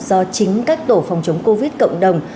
do chính các tổ phòng chống covid cộng đồng